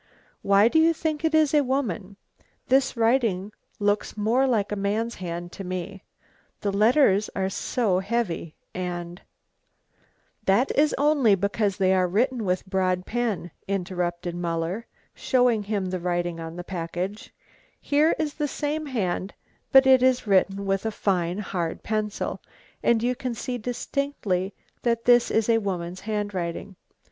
"Why do you think it is a woman? This writing looks more like a man's hand to me. The letters are so heavy and " "That is only because they are written with broad pen," interrupted Muller, showing him the writing on the package; "here is the same hand, but it is written with a fine hard pencil, and you can see distinctly that this is a woman's handwriting.